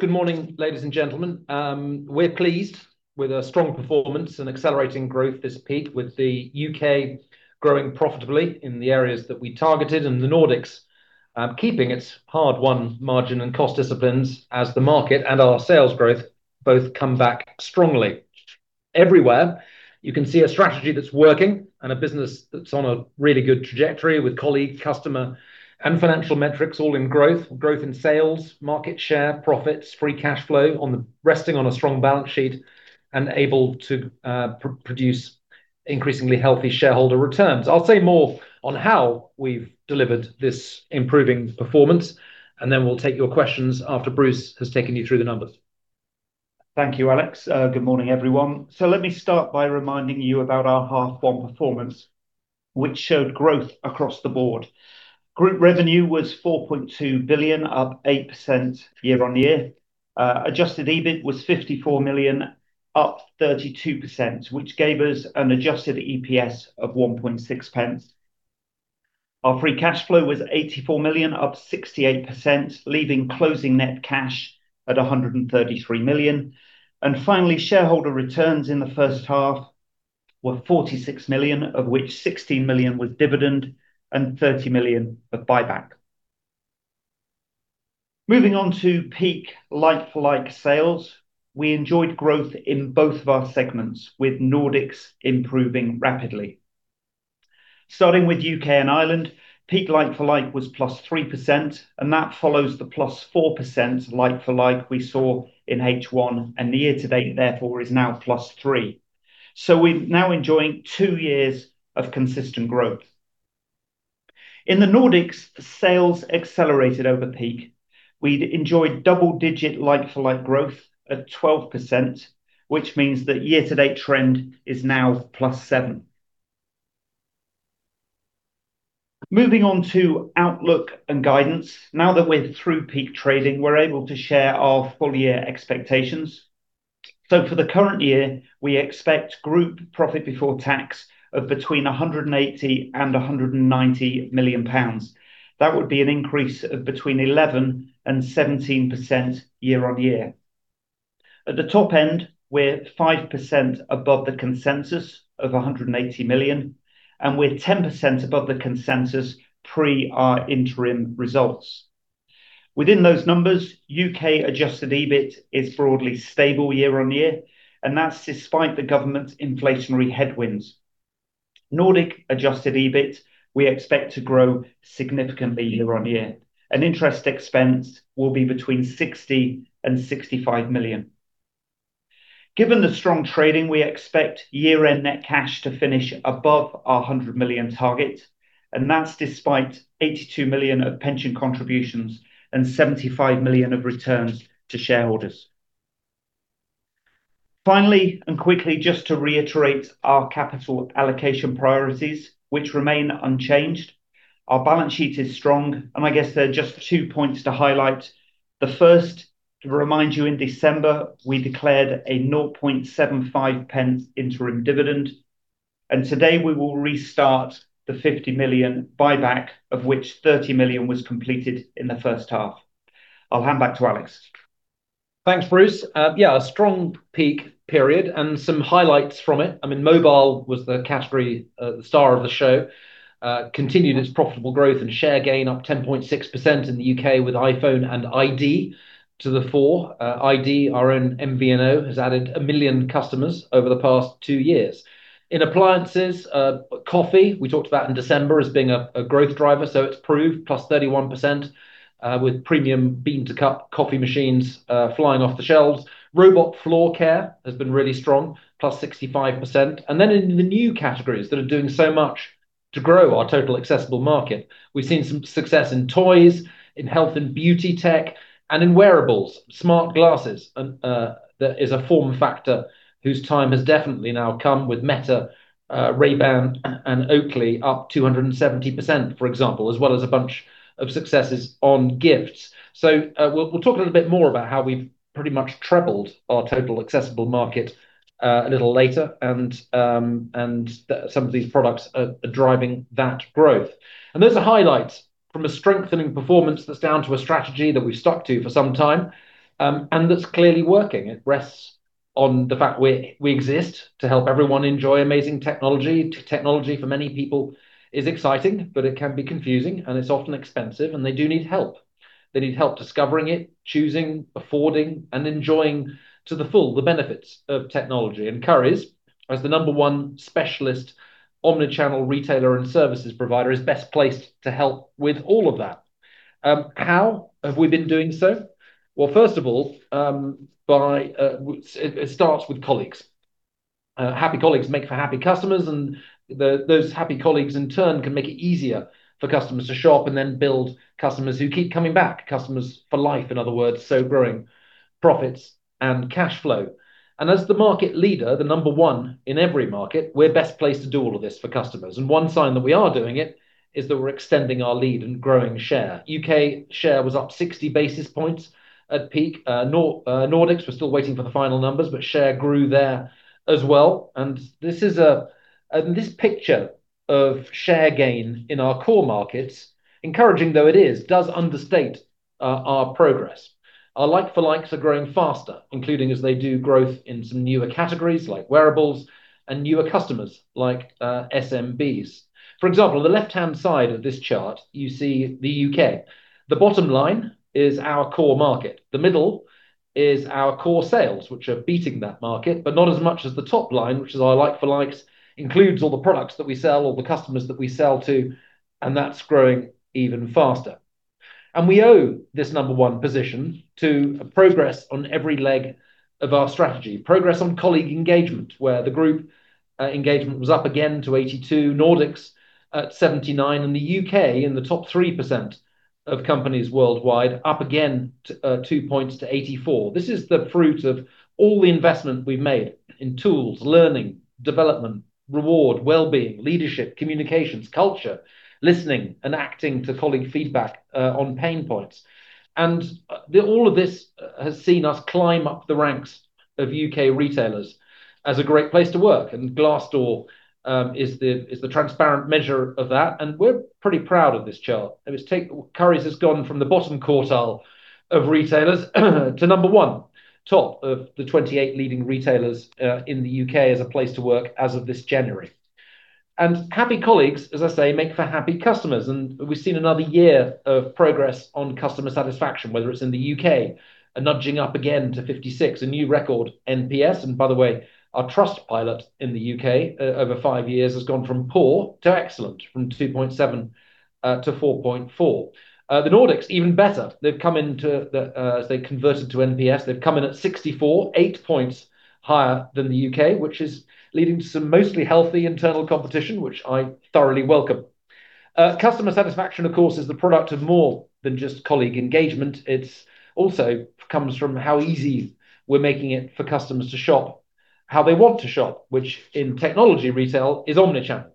Good morning, ladies and gentlemen. We're pleased with a strong performance and accelerating growth this peak, with the U.K. growing profitably in the areas that we targeted and the Nordics keeping its hard-won margin and cost disciplines as the market and our sales growth both come back strongly. Everywhere, you can see a strategy that's working and a business that's on a really good trajectory with colleague, customer, and financial metrics all in growth. Growth in sales, market share, profits, free cash flow, resting on a strong balance sheet and able to produce increasingly healthy shareholder returns. I'll say more on how we've delivered this improving performance, and then we'll take your questions after Bruce has taken you through the numbers. Thank you, Alex. Good morning, everyone. So let me start by reminding you about our half-year performance, which showed growth across the board. Group revenue was 4.2 billion, up 8% year-on-year. Adjusted EBIT was 54 million, up 32%, which gave us an adjusted EPS of 1.6. Our free cash flow was 84 million, up 68%, leaving closing net cash at 133 million. And finally, shareholder returns in the first half were 46 million, of which 16 million was dividend and 30 million of buyback. Moving on to peak like-for-like sales, we enjoyed growth in both of our segments, with Nordics improving rapidly. Starting with U.K. and Ireland, peak like-for-like was +3%, and that follows the +4% like-for-like we saw in H1, and year to date, therefore, is now +3%. So we're now enjoying two years of consistent growth. In the Nordics, sales accelerated over peak. We'd enjoyed double-digit like-for-like growth at 12%, which means that year-to-date trend is now +7%. Moving on to outlook and guidance. Now that we're through peak trading, we're able to share our full-year expectations, so for the current year, we expect group profit before tax of between 180 million and 190 million pounds. That would be an increase of between 11% and 17% year-on-year. At the top end, we're 5% above the consensus of 180 million, and we're 10% above the consensus pre our interim results. Within those numbers, U.K. adjusted EBIT is broadly stable year on year, and that's despite the government's inflationary headwinds. Nordic adjusted EBIT, we expect to grow significantly year on year, and interest expense will be between 60 million and 65 million. Given the strong trading, we expect year-end net cash to finish above our 100 million target, and that's despite 82 million of pension contributions and 75 million of returns to shareholders. Finally, and quickly, just to reiterate our capital allocation priorities, which remain unchanged. Our balance sheet is strong, and I guess there are just two points to highlight. The first, to remind you, in December, we declared a 0.75 interim dividend, and today we will restart the 50 million buyback, of which 30 million was completed in the first half. I'll hand back to Alex. Thanks, Bruce. Yeah, a strong peak period and some highlights from it. I mean, mobile was the category, the star of the show, continued its profitable growth and share gain, up 10.6% in the U.K. with iPhone and iD to the fore. iD, our own MVNO, has added a million customers over the past two years. In appliances, coffee, we talked about in December as being a growth driver, so it's proved, plus 31%, with premium bean-to-cup coffee machines flying off the shelves. Robot floor care has been really strong, plus 65%. And then in the new categories that are doing so much to grow our total accessible market, we've seen some success in toys, in health and beauty tech, and in wearables. Smart glasses is a form factor whose time has definitely now come with Meta, Ray-Ban, and Oakley up 270%, for example, as well as a bunch of successes on gifts. So we'll talk a little bit more about how we've pretty much trebled our total addressable market a little later and some of these products are driving that growth. And those are highlights from a strengthening performance that's down to a strategy that we've stuck to for some time and that's clearly working. It rests on the fact we exist to help everyone enjoy amazing technology. Technology for many people is exciting, but it can be confusing, and it's often expensive, and they do need help. They need help discovering it, choosing, affording, and enjoying to the full the benefits of technology. Currys, as the number one specialist, omnichannel retailer and services provider, is best placed to help with all of that. How have we been doing so? First of all, it starts with colleagues. Happy colleagues make for happy customers, and those happy colleagues, in turn, can make it easier for customers to shop and then build customers who keep coming back, customers for life, in other words, so growing profits and cash flow. As the market leader, the number one in every market, we're best placed to do all of this for customers. One sign that we are doing it is that we're extending our lead and growing share. U.K. share was up 60 basis points at peak. Nordics were still waiting for the final numbers, but share grew there as well. This picture of share gain in our core markets, encouraging though it is, does understate our progress. Our like-for-likes are growing faster, including as they do growth in some newer categories like wearables and newer customers like SMBs. For example, on the left-hand side of this chart, you see the U.K.. The bottom line is our core market. The middle is our core sales, which are beating that market, but not as much as the top line, which is our like-for-likes, includes all the products that we sell, all the customers that we sell to, and that's growing even faster. We owe this number one position to progress on every leg of our strategy, progress on colleague engagement, where the group engagement was up again to 82, Nordics at 79, and the U.K. in the top 3% of companies worldwide, up again two points to 84. This is the fruit of all the investment we've made in tools, learning, development, reward, well-being, leadership, communications, culture, listening, and acting to colleague feedback on pain points. And all of this has seen us climb up the ranks of U.K. retailers as a great place to work. And Glassdoor is the transparent measure of that. And we're pretty proud of this chart. Currys has gone from the bottom quartile of retailers to number one, top of the 28 leading retailers in the U.K. as a place to work as of this January. And happy colleagues, as I say, make for happy customers. And we've seen another year of progress on customer satisfaction, whether it's in the U.K., nudging up again to 56, a new record NPS. And by the way, our Trustpilot in the U.K. over five years has gone from poor to excellent, from 2.7 to 4.4. The Nordics, even better, they've come into the, as they converted to NPS, they've come in at 64, eight points higher than the U.K., which is leading to some mostly healthy internal competition, which I thoroughly welcome. Customer satisfaction, of course, is the product of more than just colleague engagement. It also comes from how easy we're making it for customers to shop, how they want to shop, which in technology retail is omnichannel.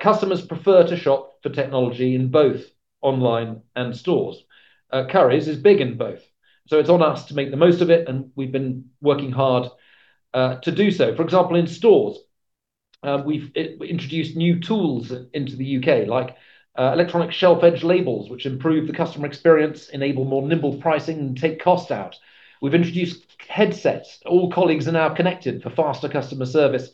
Customers prefer to shop for technology in both online and stores. Currys is big in both. So it's on us to make the most of it, and we've been working hard to do so. For example, in stores, we've introduced new tools into the U.K., like electronic shelf edge labels, which improve the customer experience, enable more nimble pricing, and take cost out. We've introduced headsets. All colleagues are now connected for faster customer service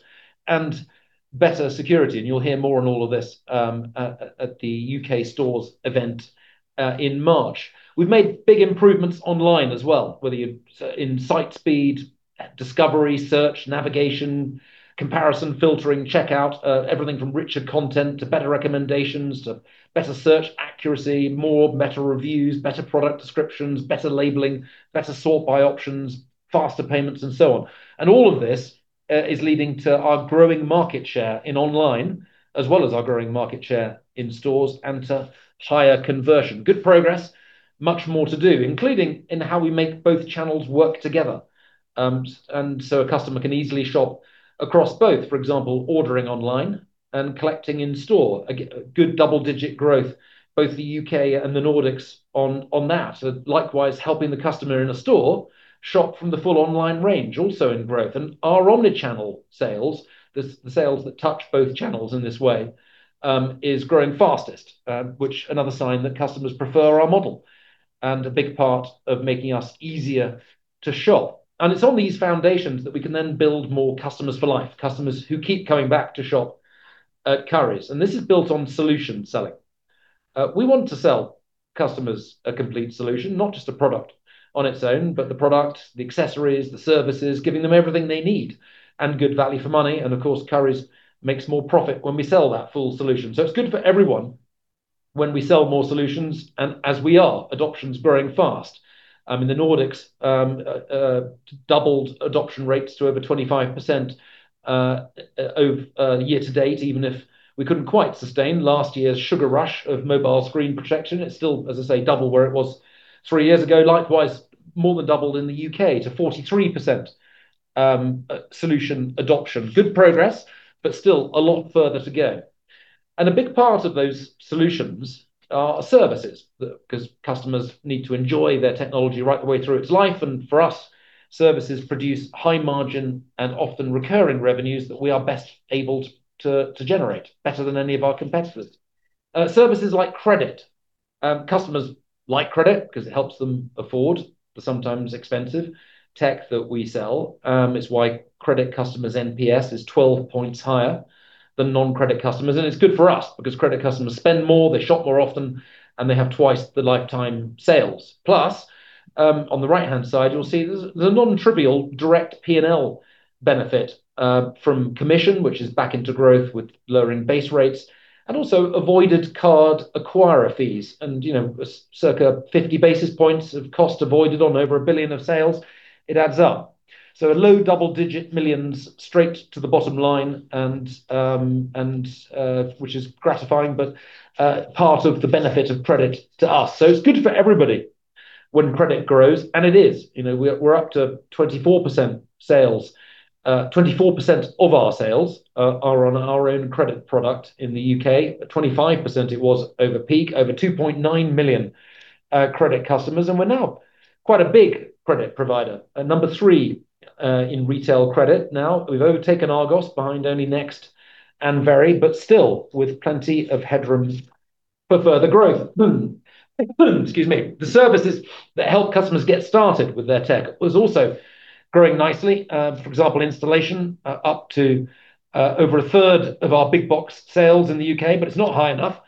and better security. And you'll hear more on all of this at the U.K. stores event in March. We've made big improvements online as well, whether you're in site speed, discovery, search, navigation, comparison, filtering, checkout, everything from richer content to better recommendations to better search accuracy, more better reviews, better product descriptions, better labeling, better sort by options, faster payments, and so on. And all of this is leading to our growing market share in online, as well as our growing market share in stores, and to higher conversion. Good progress, much more to do, including in how we make both channels work together. And so a customer can easily shop across both, for example, ordering online and collecting in store. Good double-digit growth, both the U.K. and the Nordics on that. Likewise, helping the customer in a store shop from the full online range also in growth. And our omnichannel sales, the sales that touch both channels in this way, is growing fastest, which is another sign that customers prefer our model and a big part of making us easier to shop. And it's on these foundations that we can then build more customers for life, customers who keep coming back to shop at Currys. And this is built on solution selling. We want to sell customers a complete solution, not just a product on its own, but the product, the accessories, the services, giving them everything they need and good value for money. And of course, Currys makes more profit when we sell that full solution. So it's good for everyone when we sell more solutions. And as we are, adoption's growing fast. In the Nordics, doubled adoption rates to over 25% year-to-date, even if we couldn't quite sustain last year's sugar rush of mobile screen protection. It's still, as I say, double where it was three years ago. Likewise, more than doubled in the U.K. to 43% solution adoption. Good progress, but still a lot further to go. And a big part of those solutions are services because customers need to enjoy their technology right the way through its life. And for us, services produce high margin and often recurring revenues that we are best able to generate better than any of our competitors. Services like credit, customers like credit because it helps them afford the sometimes expensive tech that we sell. It's why credit customers' NPS is 12 points higher than non-credit customers. And it's good for us because credit customers spend more, they shop more often, and they have twice the lifetime sales. Plus, on the right-hand side, you'll see there's a non-trivial direct P&L benefit from commission, which is back into growth with lowering base rates, and also avoided card acquirer fees. And circa 50 basis points of cost avoided on over 1 billion of sales, it adds up. So a low double-digit millions straight to the bottom line, which is gratifying, but part of the benefit of credit to us. So it's good for everybody when credit grows, and it is. We're up to 24% sales. 24% of our sales are on our own credit product in the U.K.. 25% it was over peak, over 2.9 million credit customers. And we're now quite a big credit provider. Number three in retail credit now. We've overtaken Argos behind only Next and Very, but still with plenty of headroom for further growth. Excuse me. The services that help customers get started with their tech is also growing nicely. For example, installation up to over a third of our big box sales in the U.K., but it's not high enough.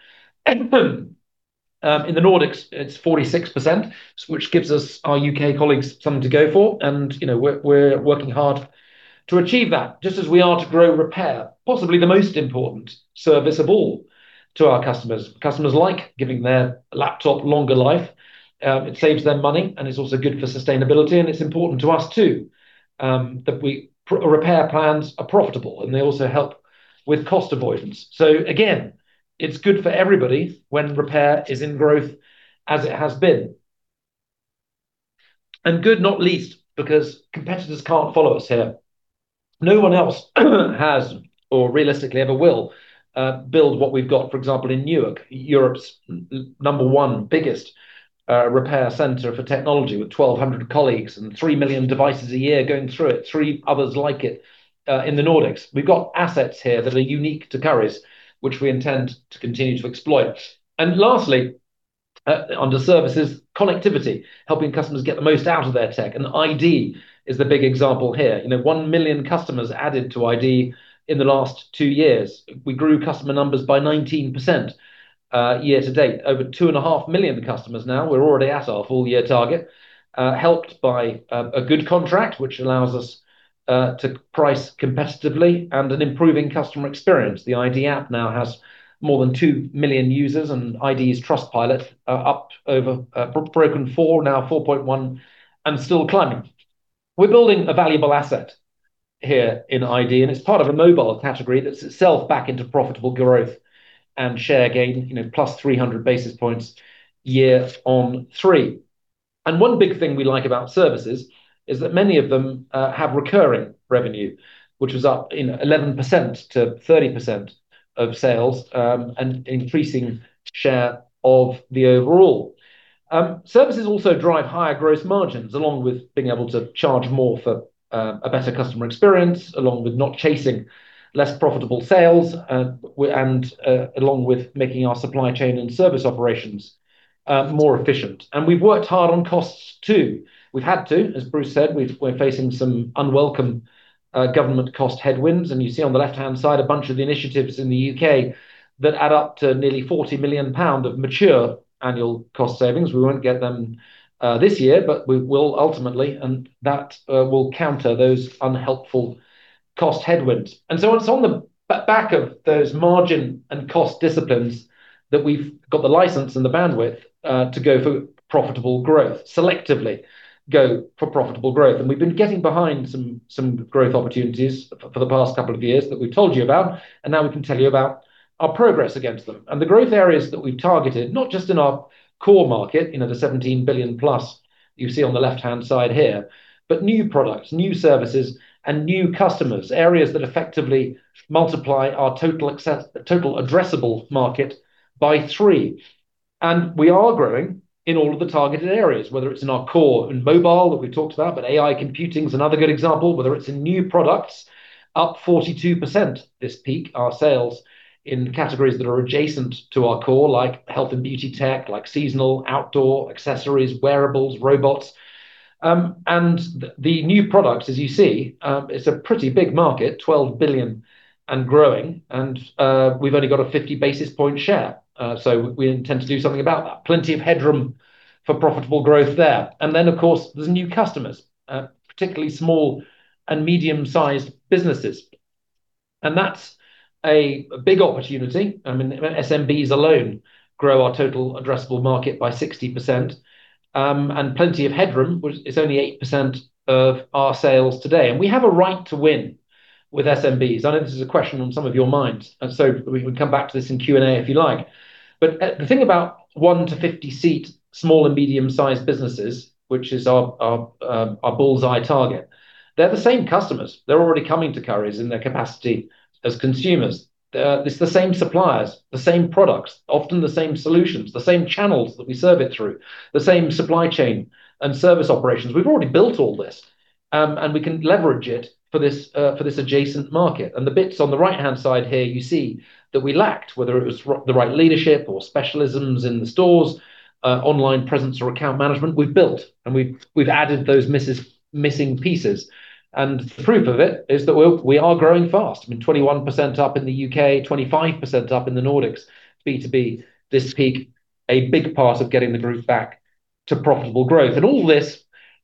In the Nordics, it's 46%, which gives us our U.K. colleagues something to go for, and we're working hard to achieve that, just as we are to grow repair, possibly the most important service of all to our customers. Customers like giving their laptop longer life. It saves them money, and it's also good for sustainability, and it's important to us too that repair plans are profitable, and they also help with cost avoidance, so again, it's good for everybody when repair is in growth as it has been. Good, not least, because competitors can't follow us here. No one else has, or realistically ever will, build what we've got, for example, in Newark, Europe's number one biggest repair center for technology with 1,200 colleagues and 3 million devices a year going through it, three others like it in the Nordics. We've got assets here that are unique to Currys, which we intend to continue to exploit. Lastly, under services, connectivity, helping customers get the most out of their tech. iD is the big example here. One million customers added to iD in the last two years. We grew customer numbers by 19% year to date. Over 2.5 million customers now. We're already at our full year target, helped by a good contract, which allows us to price competitively and an improving customer experience. The iD app now has more than 2 million users, and iD's Trustpilot up over, broken 4, now 4.1 and still climbing. We're building a valuable asset here in iD, and it's part of a mobile category that's itself back into profitable growth and share gain, +300 basis points year-on-year. And one big thing we like about services is that many of them have recurring revenue, which was up 11% to 30% of sales and increasing share of the overall. Services also drive higher gross margins along with being able to charge more for a better customer experience, along with not chasing less profitable sales and along with making our supply chain and service operations more efficient. And we've worked hard on costs too. We've had to, as Bruce said, we're facing some unwelcome government cost headwinds. You see on the left-hand side a bunch of the initiatives in the U.K. that add up to nearly 40 million pound of mature annual cost savings. We won't get them this year, but we will ultimately, and that will counter those unhelpful cost headwinds. And so it's on the back of those margin and cost disciplines that we've got the license and the bandwidth to go for profitable growth, selectively go for profitable growth. And we've been getting behind some growth opportunities for the past couple of years that we've told you about, and now we can tell you about our progress against them. And the growth areas that we've targeted, not just in our core market, the 17+ billion you see on the left-hand side here, but new products, new services, and new customers, areas that effectively multiply our total addressable market by three. And we are growing in all of the targeted areas, whether it's in our core and mobile that we talked about, but AI computing is another good example, whether it's in new products, up 42% this peak, our sales in categories that are adjacent to our core, like health and beauty tech, like seasonal outdoor accessories, wearables, robots. And the new products, as you see, it's a pretty big market, 12 billion and growing, and we've only got a 50 basis point share. So we intend to do something about that. Plenty of headroom for profitable growth there. And then, of course, there's new customers, particularly small and medium-sized businesses. And that's a big opportunity. I mean, SMBs alone grow our total addressable market by 60%. And plenty of headroom, which is only 8% of our sales today. And we have a right to win with SMBs. I know this is a question on some of your minds. So we can come back to this in Q&A if you like. But the thing about 1-50-seat small and medium-sized businesses, which is our bull's eye target, they're the same customers. They're already coming to Currys in their capacity as consumers. It's the same suppliers, the same products, often the same solutions, the same channels that we serve it through, the same supply chain and service operations. We've already built all this, and we can leverage it for this adjacent market. And the bits on the right-hand side here, you see that we lacked, whether it was the right leadership or specialisms in the stores, online presence or account management, we've built, and we've added those missing pieces. And the proof of it is that we are growing fast. I mean, 21% up in the U.K., 25% up in the Nordics, B2B this peak, a big part of getting the group back to profitable growth. And all this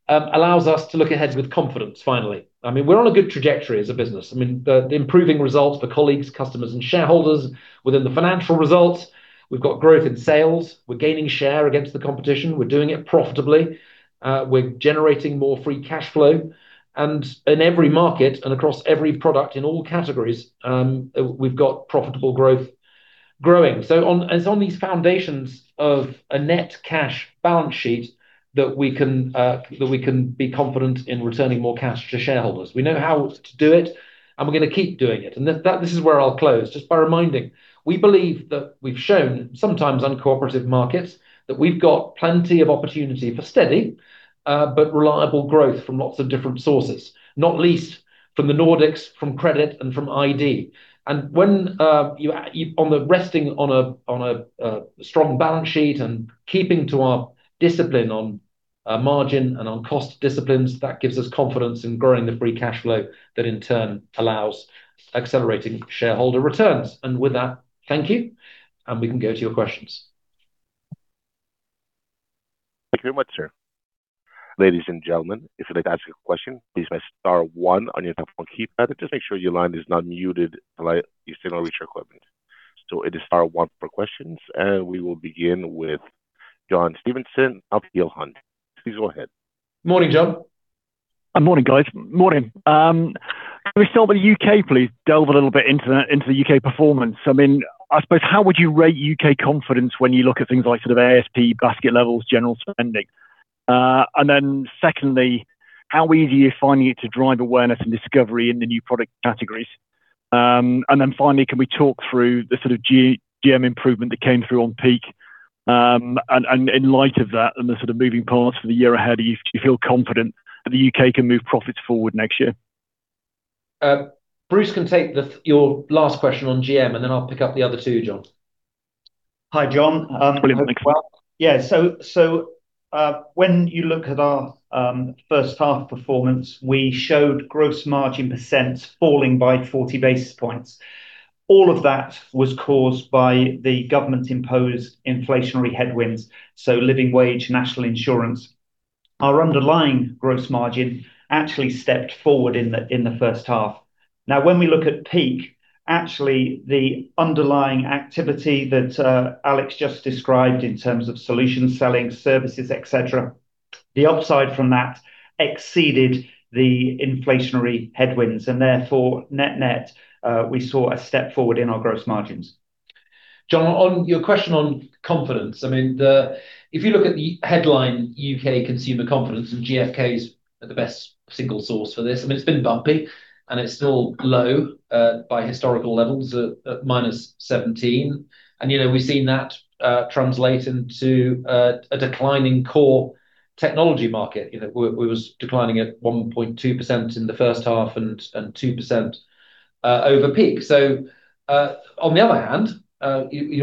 allows us to look ahead with confidence, finally. I mean, we're on a good trajectory as a business. I mean, the improving results for colleagues, customers, and shareholders within the financial results. We've got growth in sales. We're gaining share against the competition. We're doing it profitably. We're generating more free cash flow. And in every market and across every product in all categories, we've got profitable growth growing. So it's on these foundations of a net cash balance sheet that we can be confident in returning more cash to shareholders. We know how to do it, and we're going to keep doing it. And this is where I'll close. Just by reminding, we believe that we've shown sometimes uncooperative markets that we've got plenty of opportunity for steady but reliable growth from lots of different sources, not least from the Nordics, from credit, and from iD. And when you're resting on a strong balance sheet and keeping to our discipline on margin and on cost disciplines, that gives us confidence in growing the free cash flow that in turn allows accelerating shareholder returns. And with that, thank you, and we can go to your questions. Thank you very much, sir. Ladies and gentlemen, if you'd like to ask a question, please press star one on your telephone keypad. Just make sure your line is not muted unless you still want to reach your equipment. So it is star one for questions, and we will begin with John Stevenson of Peel Hunt. Please go ahead. Morning, John. Morning, guys. Morning. Can we start with the U.K., please? Delve a little bit into the U.K. performance. I mean, I suppose, how would you rate U.K. confidence when you look at things like sort of ASP, basket levels, general spending? And then secondly, how easy are you finding it to drive awareness and discovery in the new product categories? And then finally, can we talk through the sort of GM improvement that came through on peak? And in light of that and the sort of moving parts for the year ahead, do you feel confident that the U.K. can move profits forward next year? Bruce can take your last question on GM, and then I'll pick up the other two, John. Hi, John. Brilliant. Thanks. Yeah. So when you look at our first half performance, we showed gross margin percent falling by 40 basis points. All of that was caused by the government-imposed inflationary headwinds, so living wage, national insurance. Our underlying gross margin actually stepped forward in the first half. Now, when we look at peak, actually, the underlying activity that Alex just described in terms of solution selling, services, etc., the upside from that exceeded the inflationary headwinds. And therefore, net-net, we saw a step forward in our gross margins. John, on your question on confidence, I mean, if you look at the headline U.K. consumer confidence, and GfK is the best single source for this, I mean, it's been bumpy, and it's still low by historical levels at -17. And we've seen that translate into a declining core technology market. We were declining at 1.2% in the first half and 2% over peak. So on the other hand,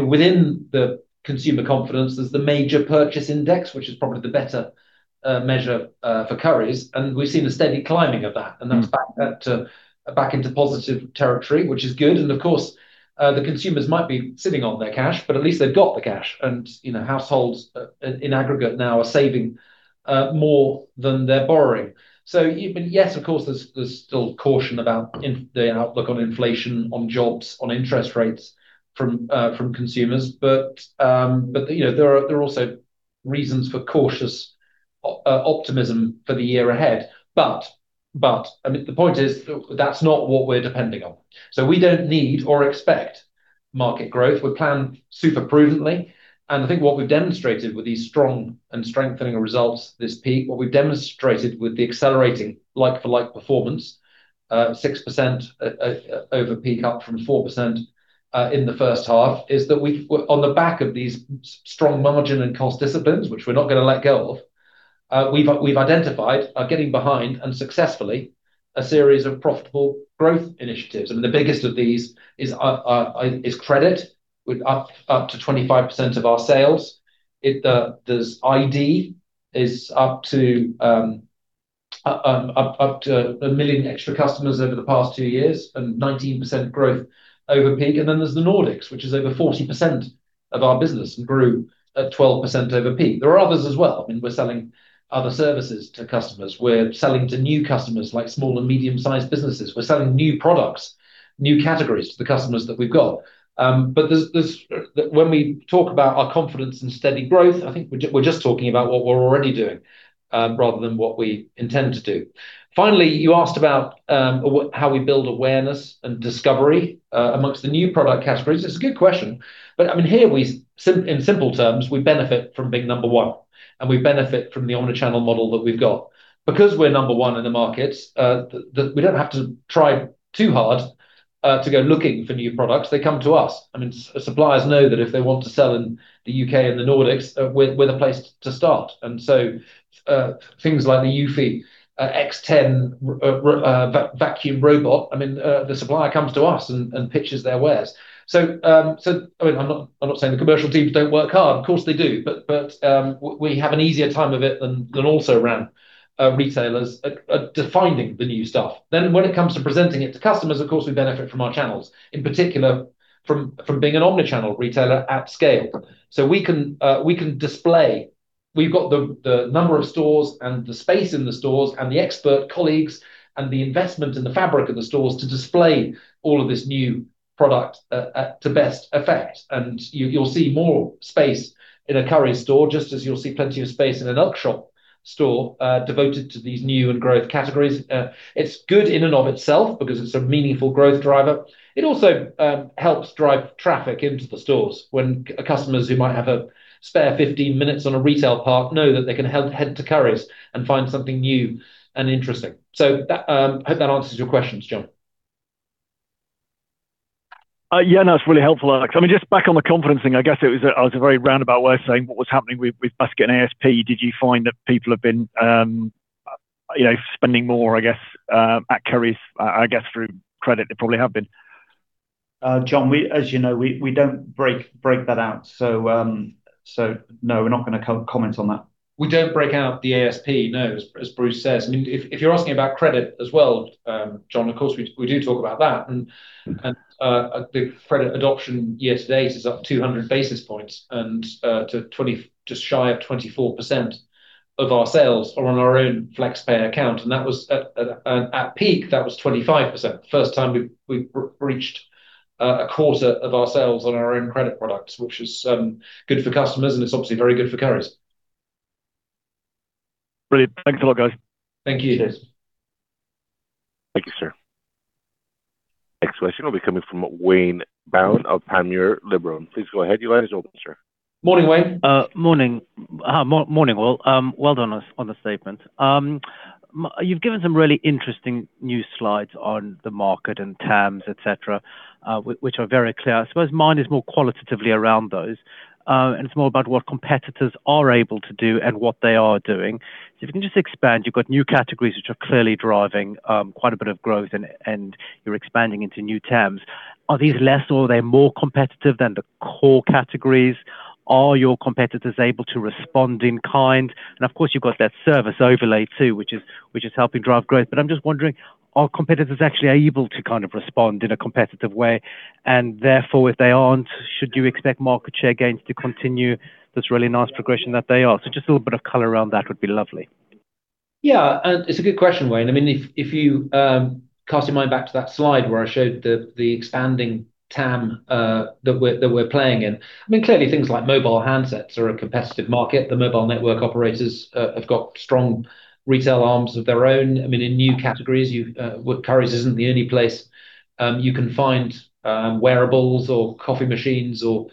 within the consumer confidence, there's the Major Purchase Index, which is probably the better measure for Currys. And we've seen a steady climbing of that. And that's back into positive territory, which is good. And of course, the consumers might be sitting on their cash, but at least they've got the cash. And households in aggregate now are saving more than they're borrowing. So yes, of course, there's still caution about the outlook on inflation, on jobs, on interest rates from consumers. But there are also reasons for cautious optimism for the year ahead. But I mean, the point is that's not what we're depending on. So we don't need or expect market growth. We plan super prudently. And I think what we've demonstrated with these strong and strengthening results this peak, what we've demonstrated with the accelerating like-for-like performance, 6% over peak up from 4% in the first half, is that on the back of these strong margin and cost disciplines, which we're not going to let go of, we've identified, are getting behind and successfully a series of profitable growth initiatives. I mean, the biggest of these is credit, up to 25% of our sales. There's iD, is up to a million extra customers over the past two years and 19% growth over peak, and then there's the Nordics, which is over 40% of our business and grew at 12% over peak. There are others as well. I mean, we're selling other services to customers. We're selling to new customers like small and medium-sized businesses. We're selling new products, new categories to the customers that we've got. But when we talk about our confidence and steady growth, I think we're just talking about what we're already doing rather than what we intend to do. Finally, you asked about how we build awareness and discovery among the new product categories. It's a good question, but I mean, here, in simple terms, we benefit from being number one, and we benefit from the omnichannel model that we've got. Because we're number one in the markets, we don't have to try too hard to go looking for new products. They come to us. I mean, suppliers know that if they want to sell in the U.K. and the Nordics, we're the place to start. And so things like the eufy X10 vacuum robot, I mean, the supplier comes to us and pitches their wares. So I mean, I'm not saying the commercial teams don't work hard. Of course, they do. But we have an easier time of it than also around retailers finding the new stuff. Then when it comes to presenting it to customers, of course, we benefit from our channels, in particular from being an omnichannel retailer at scale. So we can display. We've got the number of stores and the space in the stores and the expert colleagues and the investment in the fabric of the stores to display all of this new product to best effect, and you'll see more space in a Currys store, just as you'll see plenty of space in an Elkjøp store devoted to these new and growth categories. It's good in and of itself because it's a meaningful growth driver. It also helps drive traffic into the stores when customers who might have a spare 15 minutes on a retail park know that they can head to Currys and find something new and interesting, so I hope that answers your questions, John. Yeah, no, it's really helpful, Alex. I mean, just back on the confidence thing, I guess it was a very roundabout way of saying what was happening with basket and ASP. Did you find that people have been spending more, I guess, at Currys, I guess, through credit? They probably have been. John, as you know, we don't break that out. So no, we're not going to comment on that. We don't break out the ASP, no, as Bruce says. I mean, if you're asking about credit as well, John, of course, we do talk about that. And the credit adoption year to date is up 200 basis points and to just shy of 24% of our sales on our own FlexPay account. And at peak, that was 25%. First time we've reached a quarter of our sales on our own credit products, which is good for customers, and it's obviously very good for Currys. Brilliant. Thanks a lot, guys. Thank you. Thank you, sir. Next question will be coming from Wayne Brown of Panmure Liberum. Please go ahead. Your line is open, sir. Morning, Wayne. Morning. Well, well done on the statement. You've given some really interesting new slides on the market and TAMs, etc., which are very clear. I suppose mine is more qualitatively around those. And it's more about what competitors are able to do and what they are doing. So if you can just expand, you've got new categories which are clearly driving quite a bit of growth, and you're expanding into new TAMs. Are these less, or are they more competitive than the core categories? Are your competitors able to respond in kind? And of course, you've got that service overlay too, which is helping drive growth. But I'm just wondering, are competitors actually able to kind of respond in a competitive way? And therefore, if they aren't, should you expect market share gains to continue this really nice progression that they are? So just a little bit of color around that would be lovely. Yeah. It's a good question, Wayne. I mean, if you cast your mind back to that slide where I showed the expanding TAM that we're playing in, I mean, clearly, things like mobile handsets are a competitive market. The mobile network operators have got strong retail arms of their own. I mean, in new categories, Currys isn't the only place you can find wearables or coffee machines or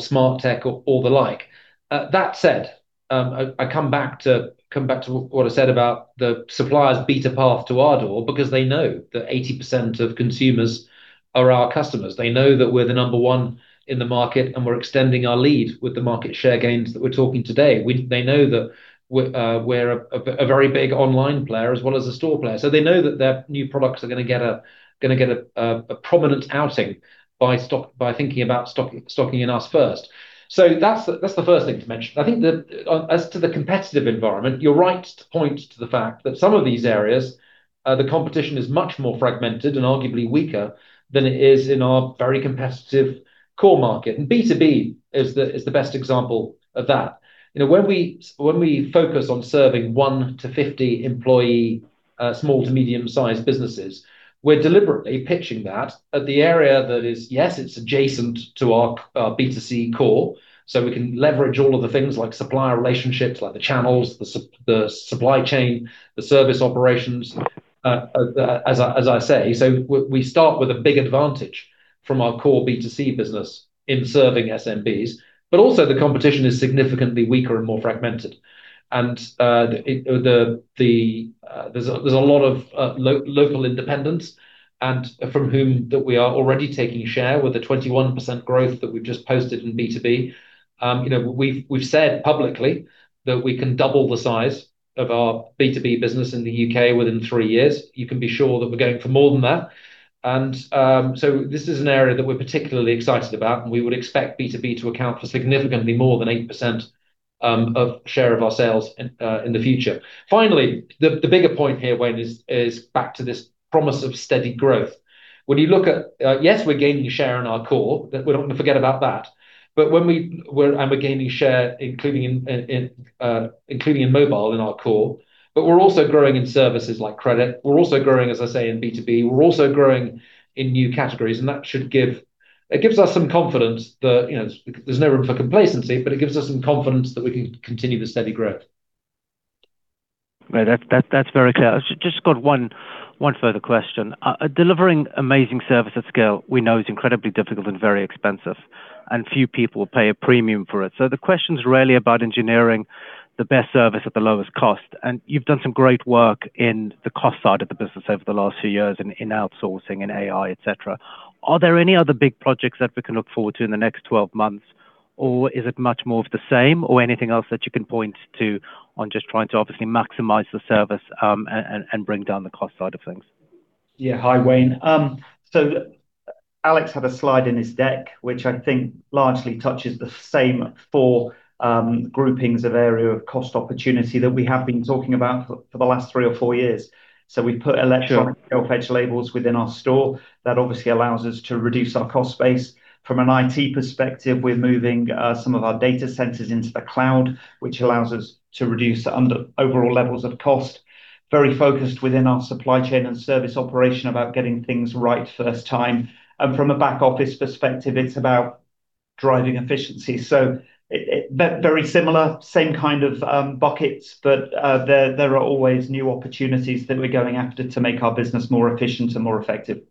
smart tech or the like. That said, I come back to what I said about the suppliers beat a path to our door because they know that 80% of consumers are our customers. They know that we're the number one in the market, and we're extending our lead with the market share gains that we're talking today. They know that we're a very big online player as well as a store player. So they know that their new products are going to get a prominent outing by thinking about stocking in us first. So that's the first thing to mention. I think as to the competitive environment, you're right to point to the fact that some of these areas, the competition is much more fragmented and arguably weaker than it is in our very competitive core market. And B2B is the best example of that. When we focus on serving 1-50 employee small to medium-sized businesses, we're deliberately pitching that at the area that is, yes, it's adjacent to our B2C core. So we can leverage all of the things like supplier relationships, like the channels, the supply chain, the service operations, as I say. So we start with a big advantage from our core B2C business in serving SMBs, but also the competition is significantly weaker and more fragmented. There's a lot of local independents from whom that we are already taking share with the 21% growth that we've just posted in B2B. We've said publicly that we can double the size of our B2B business in the U.K. within three years. You can be sure that we're going for more than that. So this is an area that we're particularly excited about, and we would expect B2B to account for significantly more than 8% of share of our sales in the future. Finally, the bigger point here, Wayne, is back to this promise of steady growth. When you look at, yes, we're gaining share in our core, but we're not going to forget about that. When we're gaining share, including in mobile in our core, but we're also growing in services like credit. We're also growing, as I say, in B2B. We're also growing in new categories, and that gives us some confidence that there's no room for complacency, but it gives us some confidence that we can continue the steady growth. Right. That's very clear. I just got one further question. Delivering amazing service at scale, we know, is incredibly difficult and very expensive, and few people pay a premium for it. So the question's really about engineering the best service at the lowest cost. And you've done some great work in the cost side of the business over the last few years in outsourcing and AI, etc. Are there any other big projects that we can look forward to in the next 12 months, or is it much more of the same, or anything else that you can point to on just trying to obviously maximize the service and bring down the cost side of things? Yeah. Hi, Wayne. So Alex had a slide in his deck, which I think largely touches the same four groupings of area of cost opportunity that we have been talking about for the last three or four years. So we've put electronic shelf edge labels within our store that obviously allows us to reduce our cost space. From an IT perspective, we're moving some of our data centers into the cloud, which allows us to reduce the overall levels of cost. Very focused within our supply chain and service operation about getting things right first time. And from a back office perspective, it's about driving efficiency. So very similar, same kind of buckets, but there are always new opportunities that we're going after to make our business more efficient and more effective.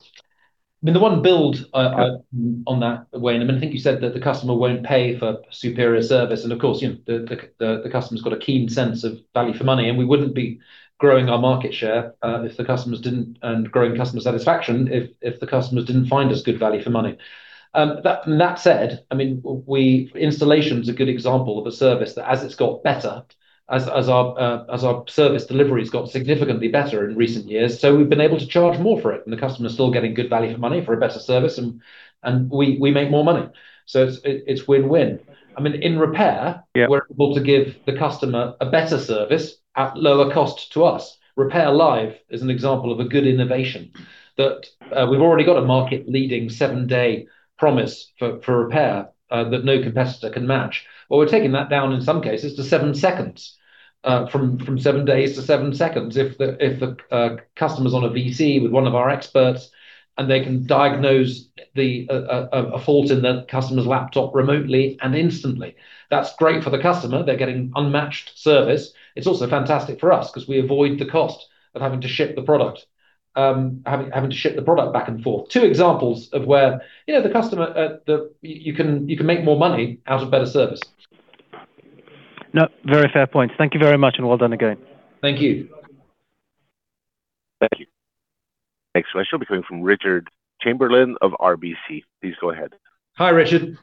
I mean, to build on that, Wayne. I mean, I think you said that the customer won't pay for superior service. And of course, the customer's got a keen sense of value for money. And we wouldn't be growing our market share if the customers didn't and growing customer satisfaction if the customers didn't find us good value for money. That said, I mean, installation is a good example of a service that as it's got better, as our service delivery has got significantly better in recent years, so we've been able to charge more for it. And the customer's still getting good value for money for a better service, and we make more money. So it's win-win. I mean, in repair, we're able to give the customer a better service at lower cost to us. RepairLive is an example of a good innovation that we've already got a market-leading seven-day promise for repair that no competitor can match. Well, we're taking that down in some cases to seven seconds, from seven days to seven seconds. If the customer's on a VC with one of our experts, and they can diagnose a fault in the customer's laptop remotely and instantly, that's great for the customer. They're getting unmatched service. It's also fantastic for us because we avoid the cost of having to ship the product, having to ship the product back and forth. Two examples of where the customer, you can make more money out of better service. Very fair point. Thank you very much, and well done again. Thank you. Thank you. Next question will be coming from Richard Chamberlain of RBC. Please go ahead. Hi, Richard.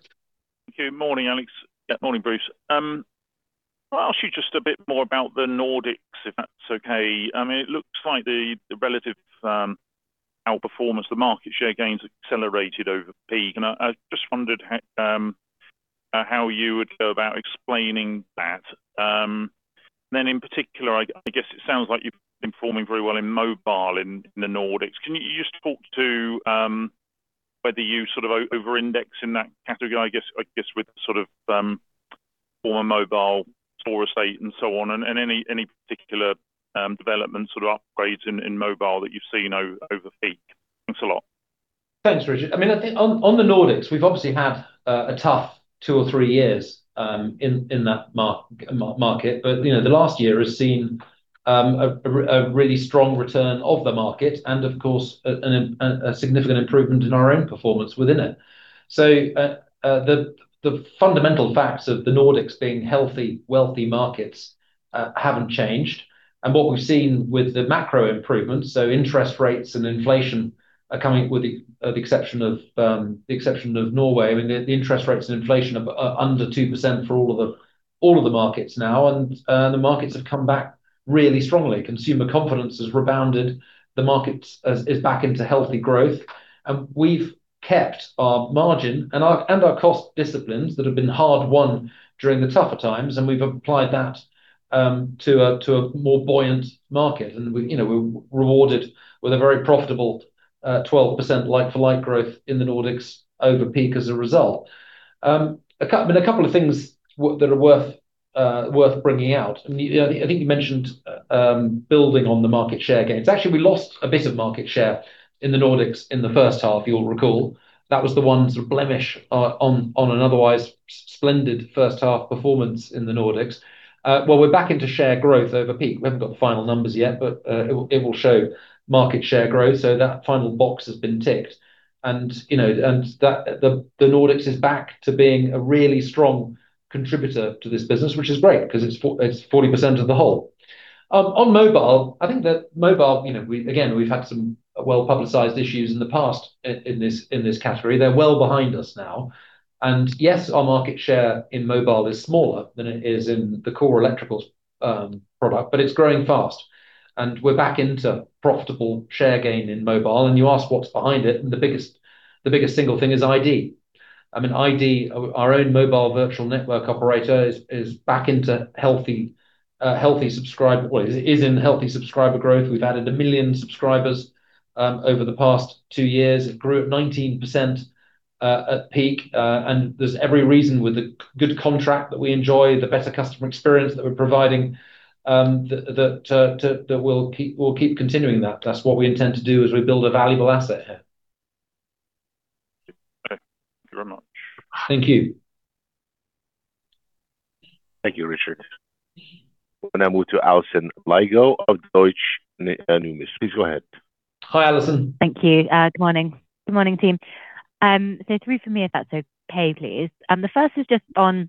Good morning, Alex. Yeah, morning, Bruce. I'll ask you just a bit more about the Nordics, if that's okay. I mean, it looks like the relative outperformance, the market share gains accelerated over peak. And I just wondered how you would go about explaining that. Then in particular, I guess it sounds like you've been performing very well in mobile in the Nordics. Can you just talk to whether you sort of over-index in that category, I guess, with sort of former mobile store estate and so on, and any particular development sort of upgrades in mobile that you've seen over peak? Thanks a lot. Thanks, Richard. I mean, on the Nordics, we've obviously had a tough two or three years in that market. But the last year has seen a really strong return of the market and, of course, a significant improvement in our own performance within it. So the fundamental facts of the Nordics being healthy, wealthy markets haven't changed. And what we've seen with the macro improvements, so interest rates and inflation are coming with the exception of Norway, I mean, the interest rates and inflation are under 2% for all of the markets now. And the markets have come back really strongly. Consumer confidence has rebounded. The market is back into healthy growth. And we've kept our margin and our cost disciplines that have been hard-won during the tougher times, and we've applied that to a more buoyant market. And we're rewarded with a very profitable 12% like-for-like growth in the Nordics over peak as a result. I mean, a couple of things that are worth bringing out. I think you mentioned building on the market share gains. Actually, we lost a bit of market share in the Nordics in the first half, you'll recall. That was the one blemish on an otherwise splendid first half performance in the Nordics. Well, we're back into share growth over peak. We haven't got the final numbers yet, but it will show market share growth. So that final box has been ticked. And the Nordics is back to being a really strong contributor to this business, which is great because it's 40% of the whole. On mobile, I think that mobile, again, we've had some well-publicized issues in the past in this category. They're well behind us now. And yes, our market share in mobile is smaller than it is in the core electricals product, but it's growing fast. And we're back into profitable share gain in mobile. And you ask what's behind it, and the biggest single thing is iD. I mean, iD, our own mobile virtual network operator, is back into healthy subscriber growth. We've added a million subscribers over the past two years. It grew at 19% at peak. And there's every reason with the good contract that we enjoy, the better customer experience that we're providing, that we'll keep continuing that. That's what we intend to do as we build a valuable asset here. Thank you very much. Thank you. Thank you, Richard. We're going to move to Alison Lygo of Deutsche Numis. Please go ahead. Hi, Alison. Thank you. Good morning. Good morning, team. So three for me, if that's okay, please. And the first is just on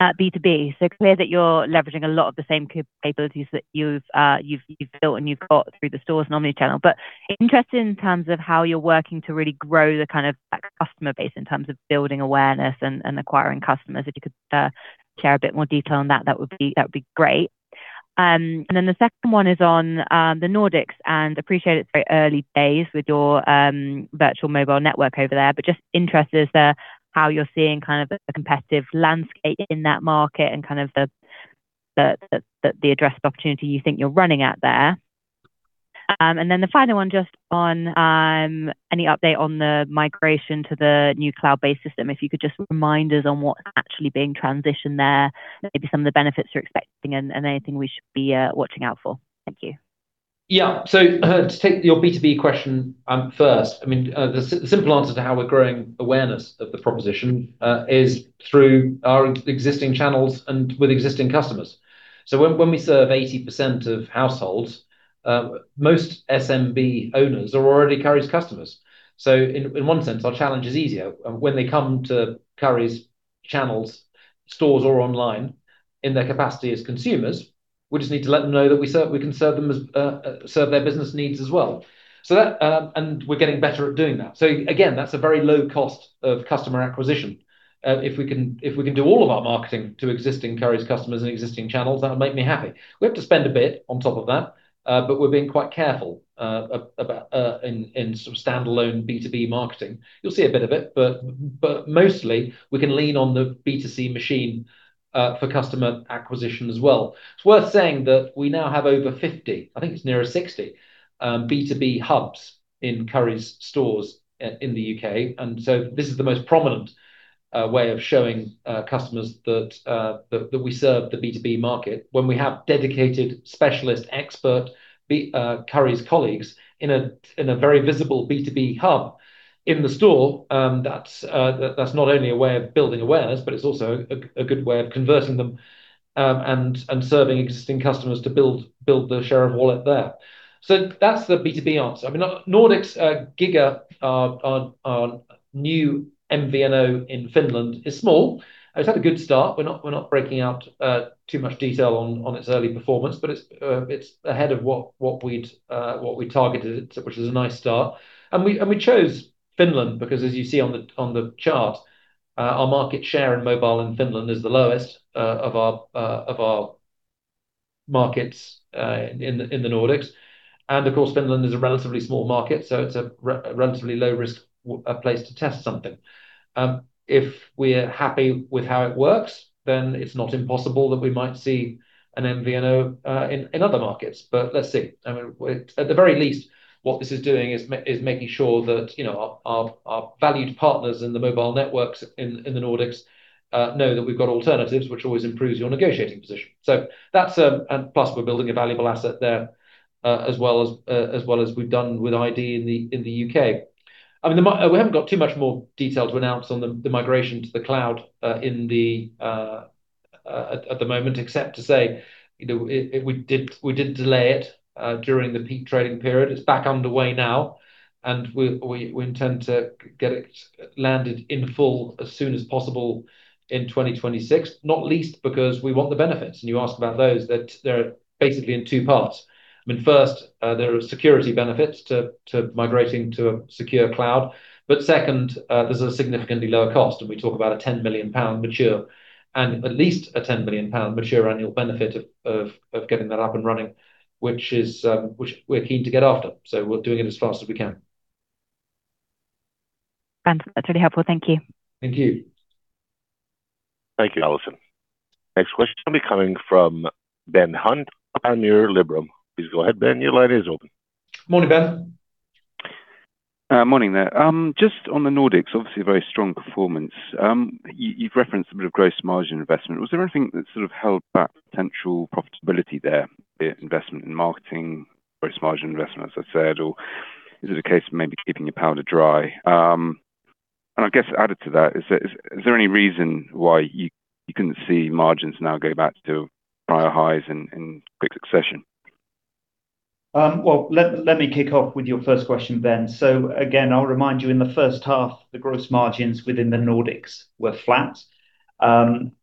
B2B. So clear that you're leveraging a lot of the same capabilities that you've built and you've got through the stores and omni-channel. But interested in terms of how you're working to really grow the kind of customer base in terms of building awareness and acquiring customers? If you could share a bit more detail on that, that would be great. And then the second one is on the Nordics and appreciate its very early days with your virtual mobile network over there. But just interested as to how you're seeing kind of a competitive landscape in that market and kind of the addressable opportunity you think you're running at there? And then the final one just on any update on the migration to the new cloud-based system. If you could just remind us on what's actually being transitioned there, maybe some of the benefits you're expecting and anything we should be watching out for? Thank you. Yeah. So to take your B2B question first, I mean, the simple answer to how we're growing awareness of the proposition is through our existing channels and with existing customers. So when we serve 80% of households, most SMB owners are already Currys customers. So in one sense, our challenge is easier. When they come to Currys channels, stores, or online in their capacity as consumers, we just need to let them know that we can serve their business needs as well. And we're getting better at doing that. So again, that's a very low cost of customer acquisition. If we can do all of our marketing to existing Currys customers and existing channels, that would make me happy. We have to spend a bit on top of that, but we're being quite careful in sort of standalone B2B marketing. You'll see a bit of it, but mostly, we can lean on the B2C machine for customer acquisition as well. It's worth saying that we now have over 50, I think it's nearer 60, B2B hubs in Currys stores in the U.K. And so this is the most prominent way of showing customers that we serve the B2B market when we have dedicated specialist expert Currys colleagues in a very visible B2B hub in the store. That's not only a way of building awareness, but it's also a good way of converting them and serving existing customers to build the share of wallet there. So that's the B2B answer. I mean, Nordics Giga, our new MVNO in Finland, is small. It's had a good start. We're not breaking out too much detail on its early performance, but it's ahead of what we targeted, which is a nice start. We chose Finland because, as you see on the chart, our market share in mobile in Finland is the lowest of our markets in the Nordics. And of course, Finland is a relatively small market, so it's a relatively low-risk place to test something. If we're happy with how it works, then it's not impossible that we might see an MVNO in other markets. But let's see. I mean, at the very least, what this is doing is making sure that our valued partners in the mobile networks in the Nordics know that we've got alternatives, which always improves your negotiating position. So that's a plus, we're building a valuable asset there as well as we've done with iD in the U.K.. I mean, we haven't got too much more detail to announce on the migration to the cloud at the moment, except to say we did delay it during the peak trading period. It's back underway now, and we intend to get it landed in full as soon as possible in 2026, not least because we want the benefits, and you asked about those. They're basically in two parts. I mean, first, there are security benefits to migrating to a secure cloud, but second, there's a significantly lower cost, and we talk about a 10 million pound run-rate and at least a 10 million pound run-rate annual benefit of getting that up and running, which we're keen to get after, so we're doing it as fast as we can. Fantastic. That's really helpful. Thank you. Thank you. Thank you, Alison. Next question will be coming from Ben Hunt, Panmure Liberum. Please go ahead, Ben. Your line is open. Morning, Ben. Morning, there. Just on the Nordics, obviously very strong performance. You've referenced a bit of gross margin investment. Was there anything that sort of held back potential profitability there, investment in marketing, gross margin investment, as I said, or is it a case of maybe keeping your powder dry, and I guess added to that, is there any reason why you couldn't see margins now go back to prior highs and quick succession? Well, let me kick off with your first question, Ben. So again, I'll remind you in the first half, the gross margins within the Nordics were flat.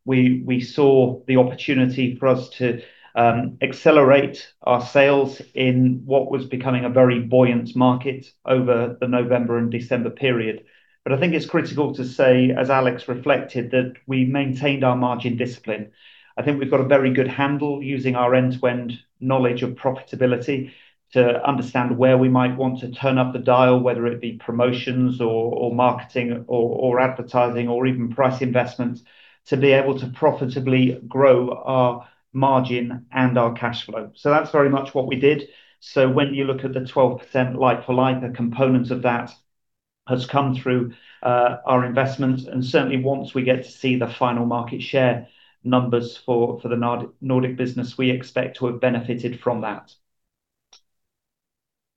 We saw the opportunity for us to accelerate our sales in what was becoming a very buoyant market over the November and December period. But I think it's critical to say, as Alex reflected, that we maintained our margin discipline. I think we've got a very good handle using our end-to-end knowledge of profitability to understand where we might want to turn up the dial, whether it be promotions or marketing or advertising or even price investments, to be able to profitably grow our margin and our cash flow. So that's very much what we did. So when you look at the 12% like-for-like components of that, it has come through our investment. And certainly, once we get to see the final market share numbers for the Nordic business, we expect to have benefited from that.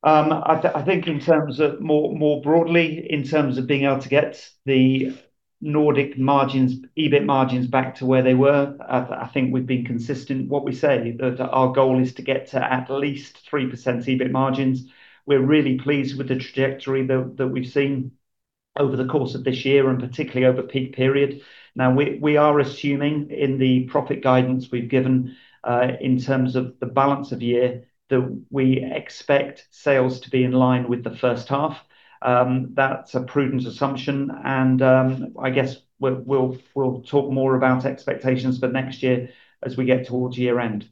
I think in terms of more broadly, in terms of being able to get the Nordic margins, EBIT margins back to where they were, I think we've been consistent. What we say, our goal is to get to at least 3% EBIT margins. We're really pleased with the trajectory that we've seen over the course of this year and particularly over peak period. Now, we are assuming in the profit guidance we've given in terms of the balance of year that we expect sales to be in line with the first half. That's a prudent assumption. And I guess we'll talk more about expectations for next year as we get towards year-end.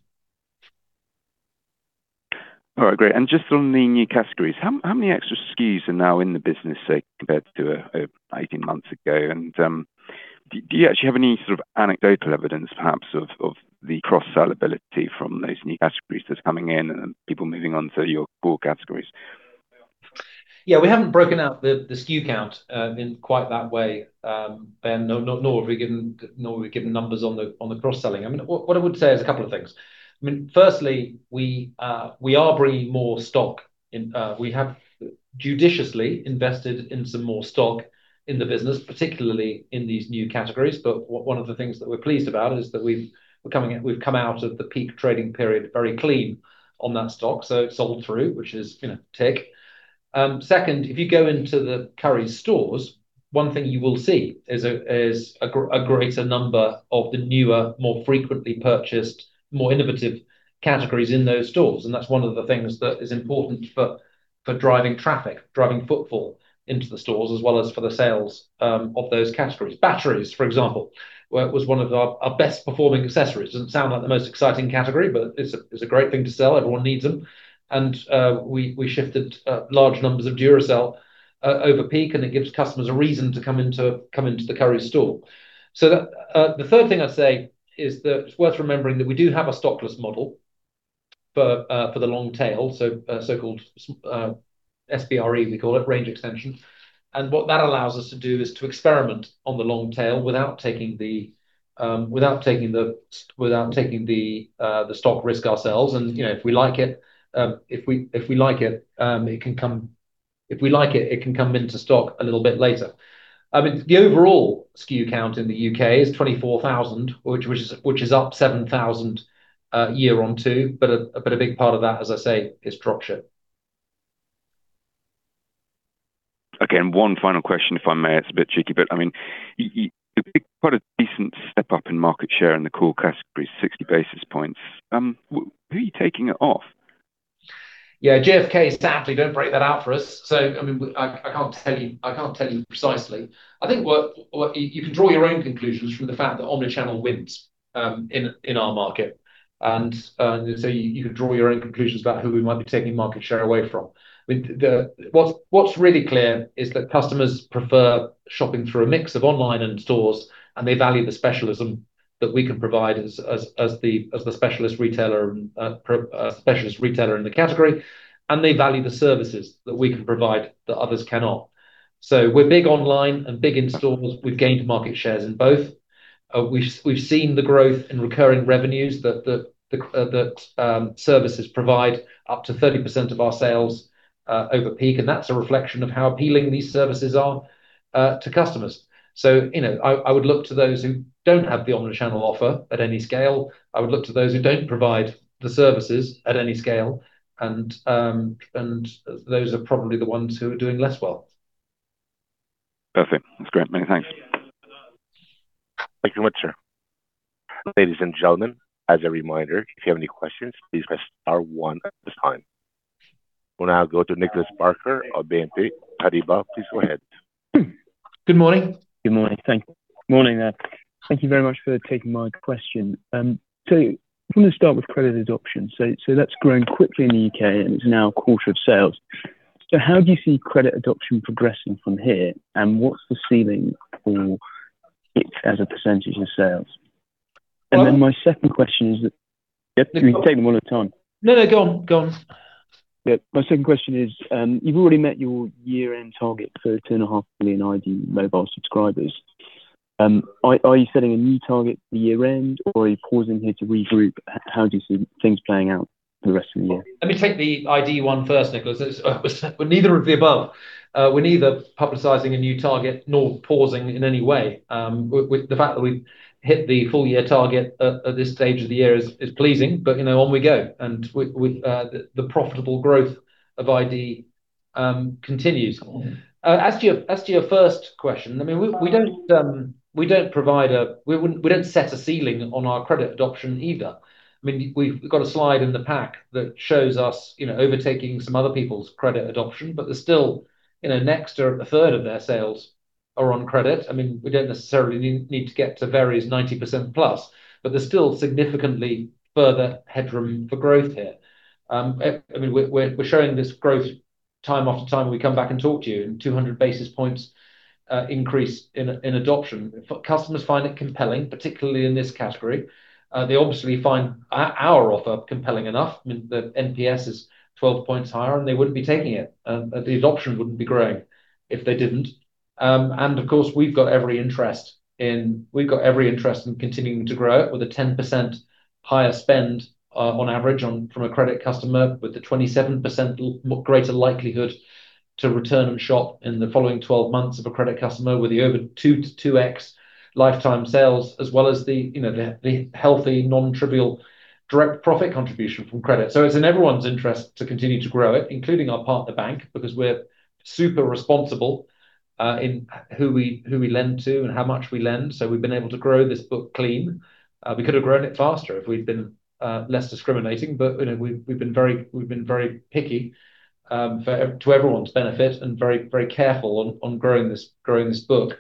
All right, great. And just on the new categories, how many extra SKUs are now in the business compared to 18 months ago? And do you actually have any sort of anecdotal evidence, perhaps, of the cross-sellability from those new categories that's coming in and people moving on to your core categories? Yeah, we haven't broken out the SKU count in quite that way, Ben, nor have we given numbers on the cross-selling. I mean, what I would say is a couple of things. I mean, firstly, we are bringing more stock. We have judiciously invested in some more stock in the business, particularly in these new categories. But one of the things that we're pleased about is that we've come out of the peak trading period very clean on that stock, so it's sold through, which is tick. Second, if you go into the Currys stores, one thing you will see is a greater number of the newer, more frequently purchased, more innovative categories in those stores. That's one of the things that is important for driving traffic, driving footfall into the stores, as well as for the sales of those categories. Batteries, for example, was one of our best-performing accessories. Doesn't sound like the most exciting category, but it's a great thing to sell. Everyone needs them. And we shifted large numbers of Duracell over peak, and it gives customers a reason to come into the Currys store. So the third thing I'd say is that it's worth remembering that we do have a stockless model for the long tail, so-called SBRE, we call it, range extension. And what that allows us to do is to experiment on the long tail without taking the stock risk ourselves. And if we like it, it can come into stock a little bit later. I mean, the overall SKU count in the U.K. is 24,000, which is up 7,000 year-on-year. But a big part of that, as I say, is dropship. Okay. And one final question, if I may. It's a bit tricky, but I mean, you've got a decent step up in market share in the core categories, 60 basis points. Who are you taking it off? Yeah, GfK, sadly, we don't break that out for us, so I mean, I can't tell you precisely. I think you can draw your own conclusions from the fact that omnichannel wins in our market, and so you can draw your own conclusions about who we might be taking market share away from. I mean, what's really clear is that customers prefer shopping through a mix of online and stores, and they value the specialism that we can provide as the specialist retailer in the category, and they value the services that we can provide that others cannot, so we're big online and big in stores. We've gained market shares in both. We've seen the growth in recurring revenues that services provide up to 30% of our sales over peak, and that's a reflection of how appealing these services are to customers. I would look to those who don't have the omnichannel offer at any scale. I would look to those who don't provide the services at any scale. Those are probably the ones who are doing less well. Perfect. That's great. Many thanks. Thank you so much, sir. Ladies and gentlemen, as a reminder, if you have any questions, please press star one at this time. We'll now go to Nicolas Barker of BNP Paribas, please go ahead. Good morning. Good morning Nic. Morning Nic. Thank you very much for taking my question. So I'm going to start with credit adoption. So that's grown quickly in the U.K., and it's now a quarter of sales. So how do you see credit adoption progressing from here? And what's the ceiling for it as a percentage of sales? And then my second question is that. Yep. You can take them all at a time. No, no, go on. Go on. Yep. My second question is, you've already met your year-end target for 2.5 million iD Mobile subscribers. Are you setting a new target for year-end, or are you pausing here to regroup? How do you see things playing out for the rest of the year? Let me take the iD one first, Nicolas. Neither of the above. We're neither publicising a new target nor pausing in any way. The fact that we've hit the full-year target at this stage of the year is pleasing, but on we go, and the profitable growth of iD continues. As to your first question, I mean, we don't set a ceiling on our credit adoption either. I mean, we've got a slide in the pack that shows us overtaking some other people's credit adoption, but there's still next to a third of their sales are on credit. I mean, we don't necessarily need to get to Very's 90%+, but there's still significantly further headroom for growth here. I mean, we're showing this growth time after time when we come back and talk to you and 200 basis points increase in adoption. Customers find it compelling, particularly in this category. They obviously find our offer compelling enough. I mean, the NPS is 12 points higher, and they wouldn't be taking it. The adoption wouldn't be growing if they didn't. Of course, we've got every interest in continuing to grow it with a 10% higher spend on average from a credit customer with a 27% greater likelihood to return and shop in the following 12 months of a credit customer with the over 2x lifetime sales, as well as the healthy non-trivial direct profit contribution from credit. It's in everyone's interest to continue to grow it, including our partner bank, because we're super responsible in who we lend to and how much we lend. We've been able to grow this book clean. We could have grown it faster if we'd been less discriminating, but we've been very picky to everyone's benefit and very careful on growing this book.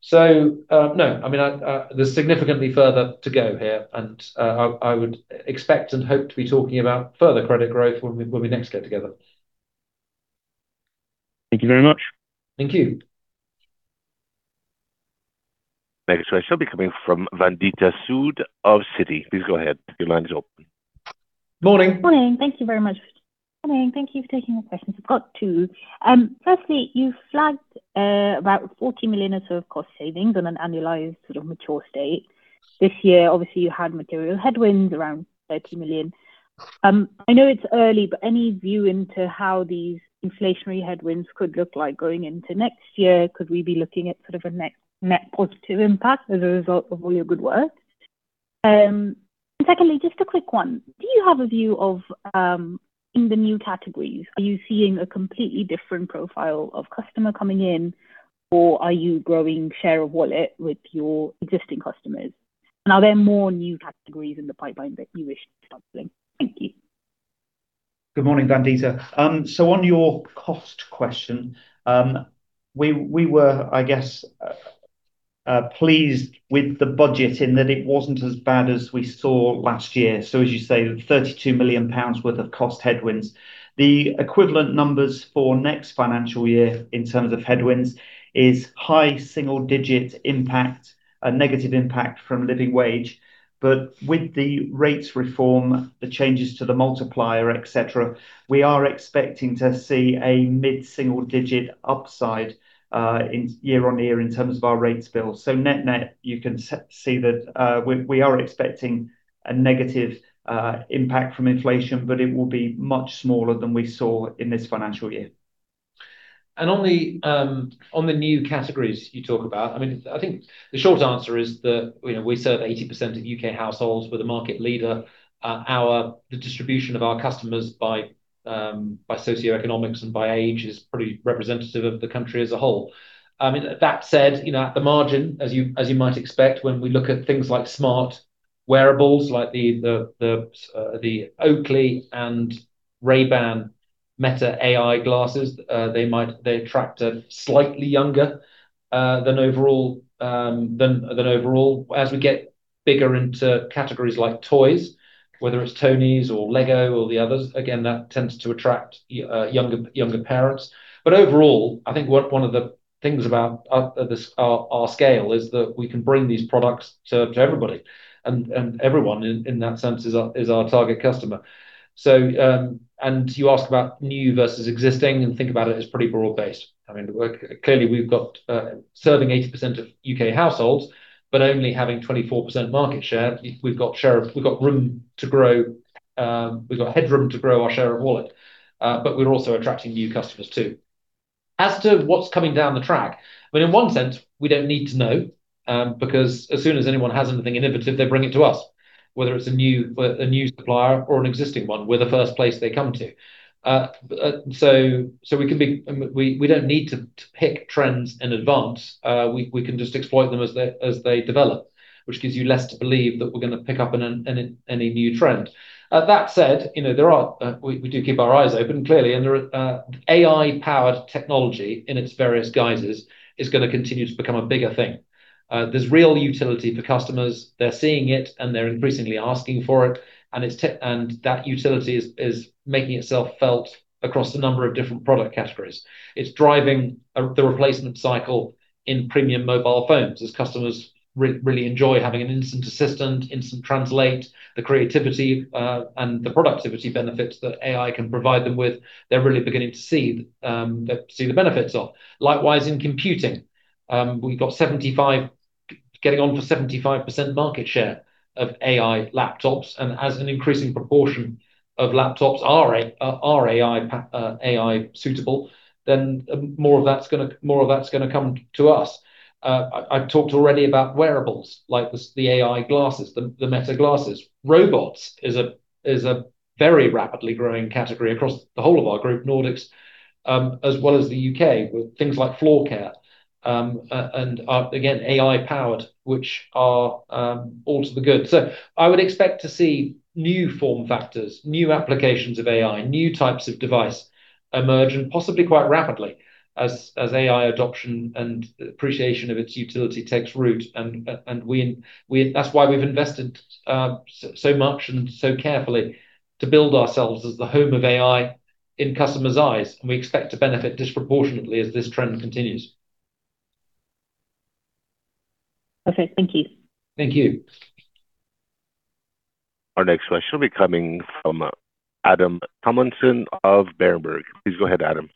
So no, I mean, there's significantly further to go here, and I would expect and hope to be talking about further credit growth when we next get together. Thank you very much. Thank you. Thank you. So I shall be coming from Vandita Sood of Citi. Please go ahead. Your line is open. Morning. Morning. Thank you very much. Morning. Thank you for taking the questions. I've got two. Firstly, you flagged about 40 million or so of cost savings on an annualized sort of mature state. This year, obviously, you had material headwinds around 30 million. I know it's early, but any view into how these inflationary headwinds could look like going into next year? Could we be looking at sort of a net positive impact as a result of all your good work? And secondly, just a quick one. Do you have a view of in the new categories, are you seeing a completely different profile of customer coming in, or are you growing share of wallet with your existing customers? And are there more new categories in the pipeline that you wish to start selling? Thank you. Good morning, Vandita. So on your cost question, we were, I guess, pleased with the budget in that it wasn't as bad as we saw last year. So as you say, 32 million pounds worth of cost headwinds. The equivalent numbers for next financial year in terms of headwinds is high single-digit impact, a negative impact from living wage. But with the rates reform, the changes to the multiplier, etc., we are expecting to see a mid-single-digit upside year on year in terms of our rates bill. So net-net, you can see that we are expecting a negative impact from inflation, but it will be much smaller than we saw in this financial year. On the new categories you talk about, I mean, I think the short answer is that we serve 80% of U.K. households with a market leader. The distribution of our customers by socioeconomics and by age is pretty representative of the country as a whole. I mean, that said, at the margin, as you might expect, when we look at things like smart wearables like the Oakley and Ray-Ban Meta AI glasses, they attract a slightly younger than overall. As we get bigger into categories like toys, whether it's Tonies or LEGO or the others, again, that tends to attract younger parents. But overall, I think one of the things about our scale is that we can bring these products to everybody, and everyone in that sense is our target customer. And you ask about new versus existing and think about it as pretty broad-based. I mean, clearly, we've got serving 80% of U.K. households, but only having 24% market share. We've got room to grow. We've got headroom to grow our share of wallet. But we're also attracting new customers too. As to what's coming down the track, I mean, in one sense, we don't need to know because as soon as anyone has anything innovative, they bring it to us, whether it's a new supplier or an existing one, we're the first place they come to. So we don't need to pick trends in advance. We can just exploit them as they develop, which gives you less to believe that we're going to pick up any new trend. That said, we do keep our eyes open, clearly. And AI-powered technology in its various guises is going to continue to become a bigger thing. There's real utility for customers. They're seeing it, and they're increasingly asking for it. And that utility is making itself felt across a number of different product categories. It's driving the replacement cycle in premium mobile phones as customers really enjoy having an instant assistant, instant translate. The creativity and the productivity benefits that AI can provide them with, they're really beginning to see the benefits of. Likewise, in computing, we've got getting on for 75% market share of AI laptops. And as an increasing proportion of laptops are AI-suitable, then more of that's going to come to us. I've talked already about wearables like the AI glasses, the Meta glasses. Robots is a very rapidly growing category across the whole of our group, Nordics, as well as the U.K., with things like floor care and, again, AI-powered, which are all to the good. So I would expect to see new form factors, new applications of AI, new types of device emerge, and possibly quite rapidly as AI adoption and appreciation of its utility takes root. And that's why we've invested so much and so carefully to build ourselves as the home of AI in customers' eyes. And we expect to benefit disproportionately as this trend continues. Perfect. Thank you. Thank you. Our next question will be coming from Adam Tomlinson of Berenberg. Please go ahead, Adam.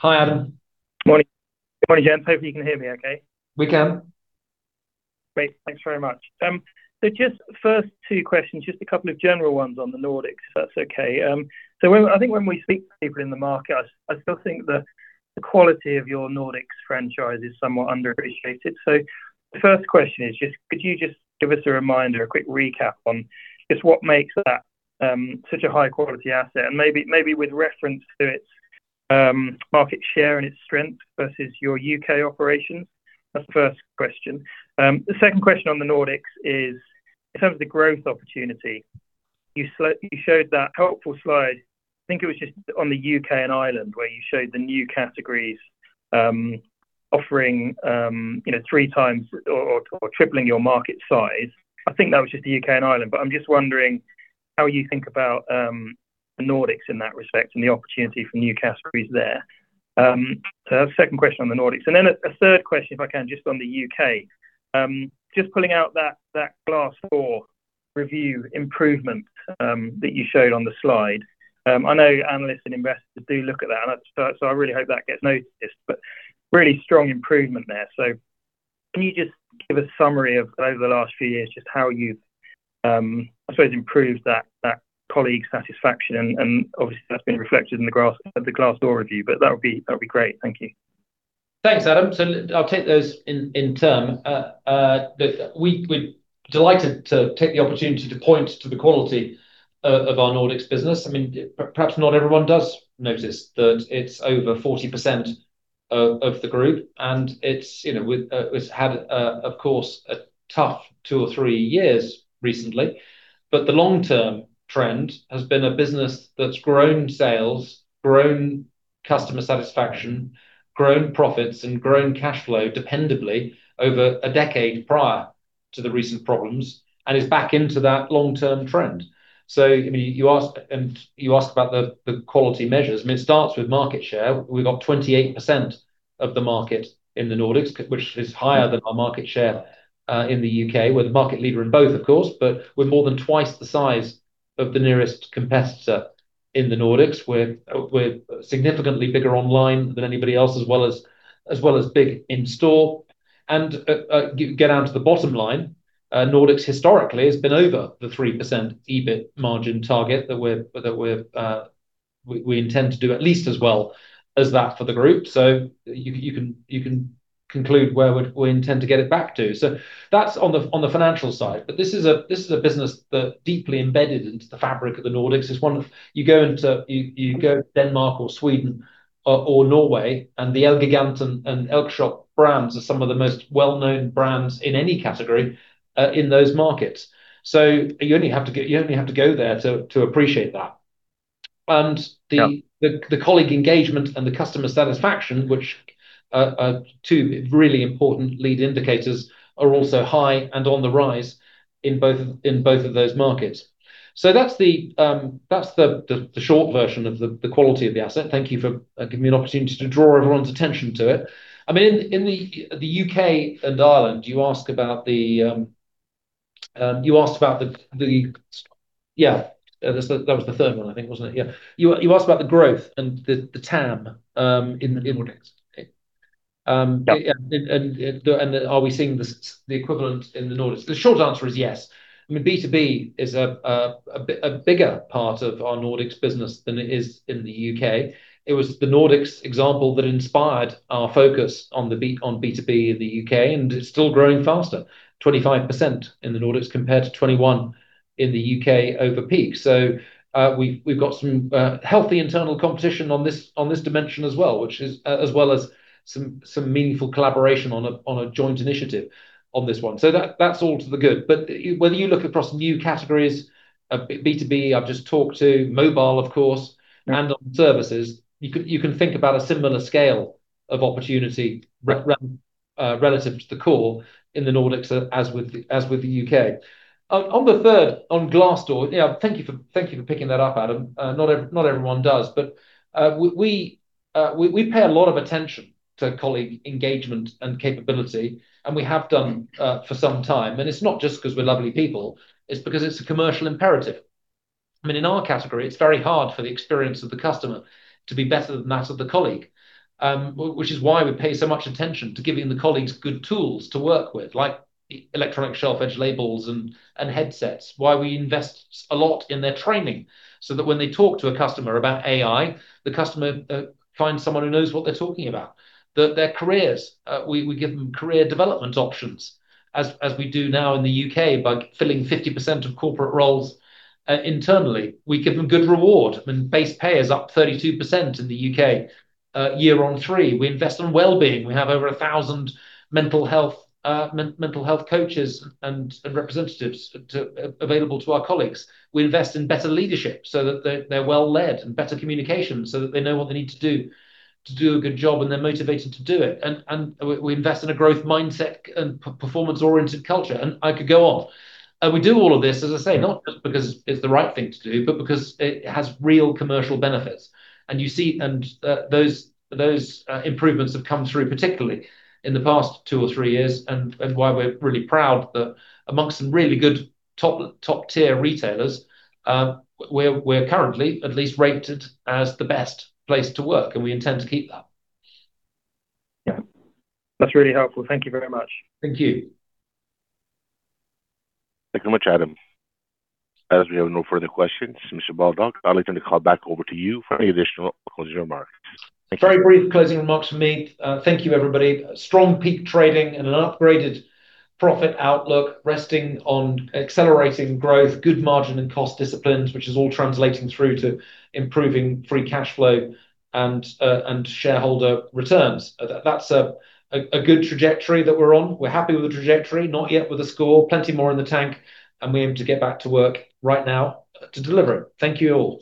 Hi, Adam. Good morning. Hope you can hear me okay. We can. Great. Thanks very much. So just first two questions, just a couple of general ones on the Nordics, if that's okay. So I think when we speak to people in the market, I still think the quality of your Nordics franchise is somewhat underappreciated. So the first question is just, could you just give us a reminder, a quick recap on just what makes that such a high-quality asset? And maybe with reference to its market share and its strength versus your U.K. operations. That's the first question. The second question on the Nordics is, in terms of the growth opportunity, you showed that helpful slide. I think it was just on the U.K. and Ireland where you showed the new categories offering 3x or tripling your market size. I think that was just the U.K. and Ireland. But I'm just wondering how you think about the Nordics in that respect and the opportunity for new categories there? So that's the second question on the Nordics. And then a third question, if I can, just on the U.K.. Just pulling out that Glassdoor review improvement that you showed on the slide. I know analysts and investors do look at that. And so I really hope that gets noticed. But really strong improvement there. So can you just give a summary of over the last few years just how you've, I suppose, improved that colleague satisfaction? And obviously, that's been reflected in the Glassdoor review? But that would be great. Thank you. Thanks, Adam. So I'll take those in turn. We're delighted to take the opportunity to point to the quality of our Nordics business. I mean, perhaps not everyone does notice that it's over 40% of the group. And it's had, of course, a tough two or three years recently. But the long-term trend has been a business that's grown sales, grown customer satisfaction, grown profits, and grown cash flow dependably over a decade prior to the recent problems and is back into that long-term trend. So I mean, you asked about the quality measures. I mean, it starts with market share. We've got 28% of the market in the Nordics, which is higher than our market share in the U.K., where we're the market leader in both, of course, but we're more than twice the size of the nearest competitor in the Nordics. We're significantly bigger online than anybody else, as well as big in store, and getting to the bottom line, Nordics historically has been over the 3% EBIT margin target that we intend to do at least as well as that for the group. You can conclude where we intend to get it back to. That's on the financial side, but this is a business that's deeply embedded into the fabric of the Nordics. You go into Denmark or Sweden or Norway, and the Elgiganten and Elkjøp brands are some of the most well-known brands in any category in those markets. You only have to go there to appreciate that. The colleague engagement and the customer satisfaction, which are two really important lead indicators, are also high and on the rise in both of those markets. That's the short version of the quality of the asset. Thank you for giving me an opportunity to draw everyone's attention to it. I mean, in the U.K. and Ireland, you asked about the yeah, that was the third one, I think, wasn't it? Yeah. You asked about the growth and the TAM in the Nordics. And are we seeing the equivalent in the Nordics? The short answer is yes. I mean, B2B is a bigger part of our Nordics business than it is in the U.K.. It was the Nordics example that inspired our focus on B2B in the U.K., and it's still growing faster, 25% in the Nordics compared to 21% in the U.K. over peak. So we've got some healthy internal competition on this dimension as well, as well as some meaningful collaboration on a joint initiative on this one. So that's all to the good. But whether you look across new categories, B2B, I've just talked to, mobile, of course, and on services, you can think about a similar scale of opportunity relative to the core in the Nordics as with the U.K.. On the third, on Glassdoor, yeah, thank you for picking that up, Adam. Not everyone does. But we pay a lot of attention to colleague engagement and capability, and we have done for some time. And it's not just because we're lovely people. It's because it's a commercial imperative. I mean, in our category, it's very hard for the experience of the customer to be better than that of the colleague, which is why we pay so much attention to giving the colleagues good tools to work with, like electronic shelf edge labels and headsets, why we invest a lot in their training so that when they talk to a customer about AI, the customer finds someone who knows what they're talking about. Their careers, we give them career development options as we do now in the U.K. by filling 50% of corporate roles internally. We give them good reward. I mean, base pay is up 32% in the U.K. over three years. We invest in well-being. We have over 1,000 mental health coaches and representatives available to our colleagues. We invest in better leadership so that they're well-led and better communication so that they know what they need to do to do a good job, and they're motivated to do it. And we invest in a growth mindset and performance-oriented culture. And I could go on. And we do all of this, as I say, not just because it's the right thing to do, but because it has real commercial benefits. And those improvements have come through particularly in the past two or three years, and why we're really proud that among some really good top-tier retailers, we're currently at least rated as the best place to work. And we intend to keep that. Yeah. That's really helpful. Thank you very much. Thank you. Thank you so much, Adam. As we have no further questions, Mr. Baldock, I'll extend the call back over to you for any additional closing remarks. Very brief closing remarks for me. Thank you, everybody. Strong peak trading and an upgraded profit outlook resting on accelerating growth, good margin and cost disciplines, which is all translating through to improving free cash flow and shareholder returns. That's a good trajectory that we're on. We're happy with the trajectory, not yet with the score. Plenty more in the tank, and we aim to get back to work right now to deliver it. Thank you all.